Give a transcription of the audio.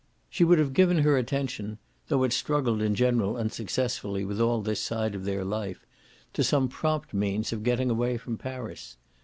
She would have given her attention though it struggled in general unsuccessfully with all this side of their life to some prompt means of getting away from Paris.